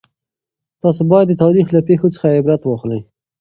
تاسو باید د تاریخ له پېښو څخه عبرت واخلئ.